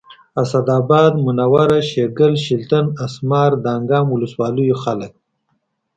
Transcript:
اسداباد منوره شیګل شلتن اسمار دانګام ولسوالیو خلک